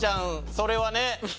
それはね